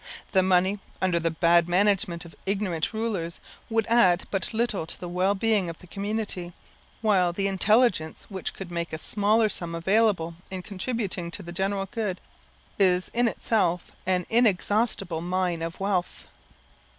The money, under the bad management of ignorant rulers, would add but little to the well being of the community, while the intelligence which could make a smaller sum available in contributing to the general good, is in itself an inexhaustible mine of wealth.